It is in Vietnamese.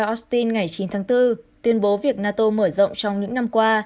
austin ngày chín tháng bốn tuyên bố việc nato mở rộng trong những năm qua